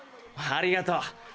ありがとう。